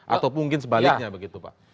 atau mungkin sebaliknya begitu pak